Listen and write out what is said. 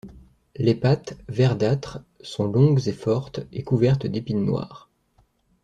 Les pattes, verdâtres, sont longues et fortes et couvertes d'épines noires.